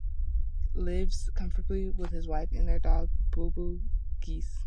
Lives comfortably with his wife and their dog, Booboo Guice.